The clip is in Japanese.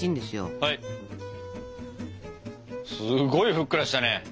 すごいふっくらしたね。